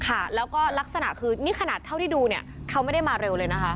ค่ะแล้วก็ลักษณะคือนี่ขนาดเท่าที่ดูเนี่ยเขาไม่ได้มาเร็วเลยนะคะ